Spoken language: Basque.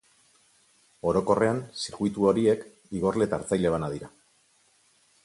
Orokorrean, zirkuitu horiek, igorle eta hartzaile bana dira.